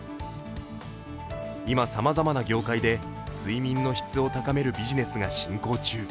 今、さまざまな業界で睡眠の質を高めるビジネスが進行中。